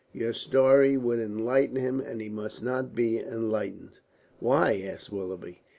Your story would enlighten him, and he must not be enlightened." "Why?" asked Willoughby.